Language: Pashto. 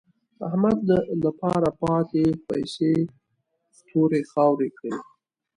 احمد له پاره پاتې پيسې تورې خاورې کړې.